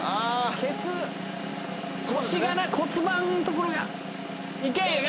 ケツ腰がな骨盤のところがいけ！